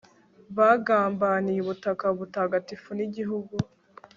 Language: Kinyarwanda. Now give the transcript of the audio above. bagambaniye ubutaka butagatifu n'igihug